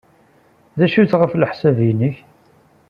D acu-t ɣef leḥsab-nnek?